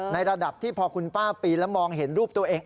ระดับที่พอคุณป้าปีนแล้วมองเห็นรูปตัวเอง